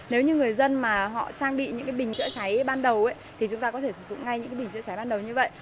nếu như người dân mà họ trang bị những bình chữa cháy ban đầu thì chúng ta có thể sử dụng ngay những cái bình chữa cháy ban đầu như vậy